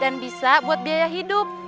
dan bisa buat biaya hidup